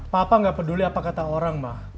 papa gak peduli apa kata orang ma